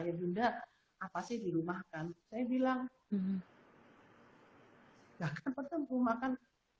ya kan pertama kali makan